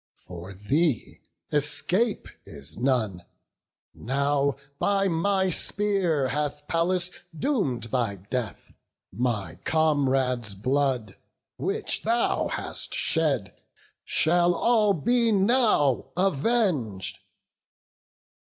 For thee escape is none; now, by my spear, Hath Pallas doom'd thy death; my comrades' blood, Which thou hast shed, shall all be now aveng'd."